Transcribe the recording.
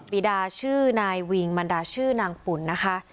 ปีดาชื่อนายวิงมันดาชื่อนางปุ่นนะคะ